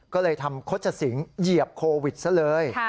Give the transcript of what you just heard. ก็เลยทำคตชศิงหยีบโควิดซะเลย